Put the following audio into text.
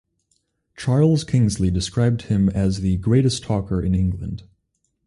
Charles Kingsley described him as "the greatest talker in England".